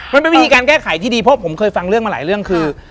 มันเป็นวิธีการแก้ไขที่ดีเพราะผมเคยฟังเรื่องมาหลายเรื่องคือ